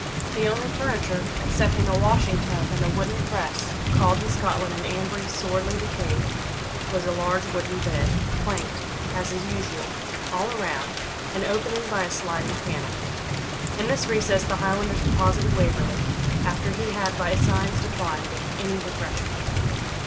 The only furniture, excepting a washing tub and a wooden press, called in Scotland an ambry, sorely decayed, was a large wooden bed, planked, as is usual, all around, and opening by a sliding panel. In this recess the Highlanders deposited Waverley, after he had by signs declined any refreshment.